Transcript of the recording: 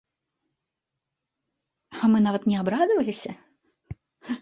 А мы нават не абрадаваліся!